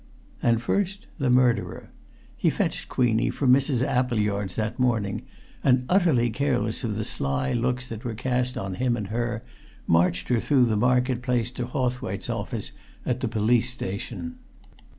And first the murderer. He fetched Queenie from Mrs. Appleyard's that morning, and, utterly careless of the sly looks that were cast on him and her, marched her through the market place to Hawthwaite's office at the police station.